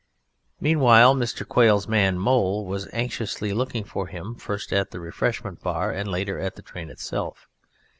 Meanwhile Mr. Quail's man Mole was anxiously looking for him, first at the refreshment bar, and later at the train itself.